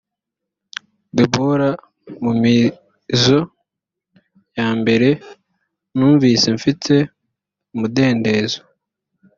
deborah mu mizo ya mbere numvise mfite umudendezo